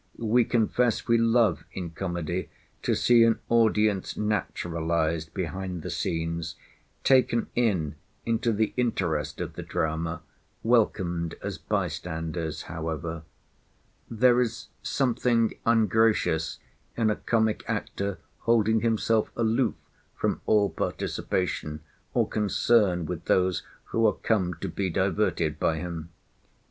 We confess we love in comedy to see an audience naturalised behind the scenes, taken in into the interest of the drama, welcomed as by standers however. There is something ungracious in a comic actor holding himself aloof from all participation or concern with those who are come to be diverted by him.